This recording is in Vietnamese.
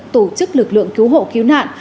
tổ chức lực lượng cứu hộ cứu nạn